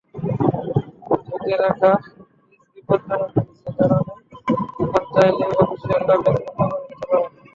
ঢেকে রাখা পিচবিপজ্জনক পিচ—এই কারণে এখন চাইলেই অফিশিয়ালরা ম্যাচ বন্ধ করে দিতে পারেন।